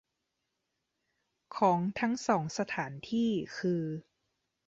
ของทั้งสองสถานที่คือ